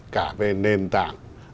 cả về nền tảng